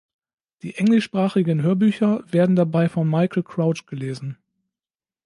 Die englischsprachigen Hörbücher werden dabei von Michael Crouch gelesen.